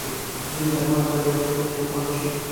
ځینې درمل باید د ډوډۍ مخکې وخوړل شي.